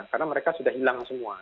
karena mereka sudah hilang semua